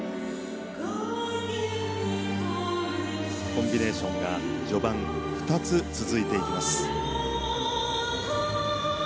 コンビネーションが序盤、２つ続きます。